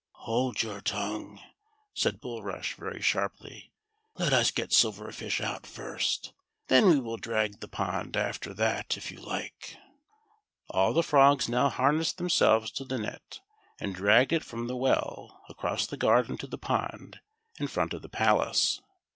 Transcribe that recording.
"Hold your tongue," said Bulrush very sharply; let us get Silver Fish out first, then we will drag the pond after that if you like." All the frogs now harnessed themselves to the net, and dragged it from the well across the garden to the pond, in front of the palace.